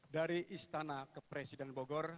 dari istana ke presiden bogor